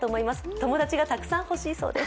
友達がたくさん欲しいそうです。